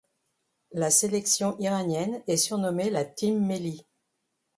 La sélection irannienne est surnommée la Team Melli.